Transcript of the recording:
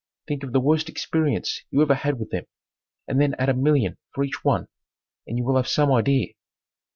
Think of the worst experience you ever had with them and then add a million for each one and you will have some idea.